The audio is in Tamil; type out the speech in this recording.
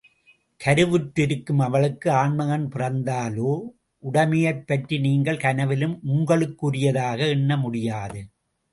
கருவுற்றிருக்கும் அவளுக்கு ஆண் மகன் பிறந்தாலோ, உடமையைப் பற்றி நீங்கள் கனவிலும் உங்களுக்குரியதாக எண்ண முடியாது.